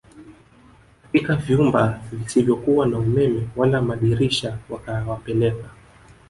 katika vyumba visivyokuwa na umeme wala madirisha wakawapeleka